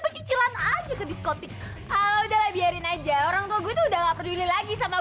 pencicilan aja ke diskotik kalau udah biarin aja orang tua gue udah nggak peduli lagi sama